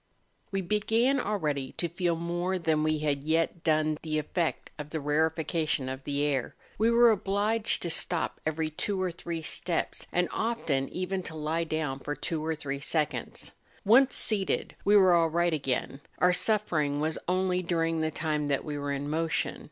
We began already to feel more than we had yet done the effect of the rarefaction of the air; we were obliged to stop ever}^ two or three steps, and often even to lie down for two or three seconds. Once seated we were all right again; our suffering was only during the time that we were in motion.